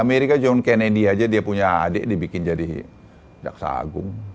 amerika john kennedy aja dia punya adik dibikin jadi jaksa agung